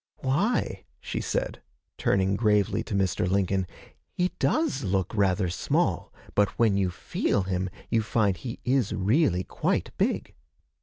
'Why,' she said, turning gravely to Mr. Lincoln, 'he does look rather small, but when you feel him, you find he is really quite big.'